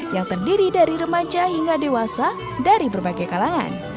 yang terdiri dari remaja hingga dewasa dari berbagai kalangan